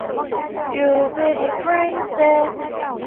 除此之外该小说亦授权梦马工作室改编为漫画。